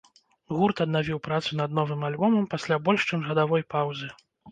Гурт аднавіў працу над новым альбомам пасля больш, чым гадавой паўзы.